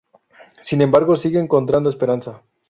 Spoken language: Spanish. Sin embargo, sigue encontrando esperanza.